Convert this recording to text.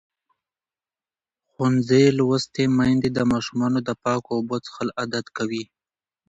ښوونځې لوستې میندې د ماشومانو د پاکو اوبو څښل عادت کوي.